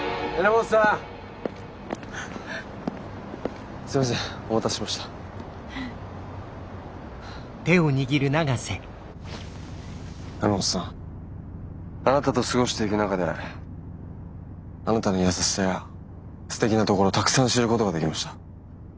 榎本さんあなたと過ごしていく中であなたの優しさやすてきなところたくさん知ることができました。